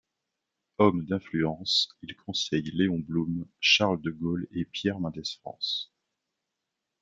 Homme d'influence, il conseille Léon Blum, Charles De Gaulle et Pierre Mendès France.